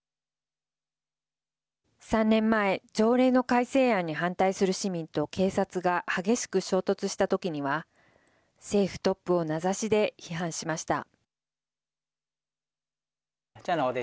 ３年前条例の改正案に反対する市民と警察が激しく衝突したときには政府トップを名指しで批判しました。